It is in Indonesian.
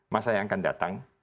masa yang akan datang